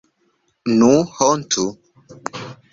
Nu, hontu!